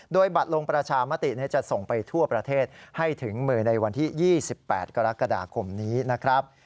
โดยบัตรลงประชามติจะส่งไปทั่วประเทศให้ถึงมือในวันที่๒๘กรกฎาคมนี้นะครับ